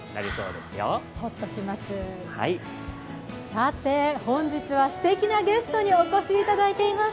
さて、本日はすてきなゲストにお越しいただいています。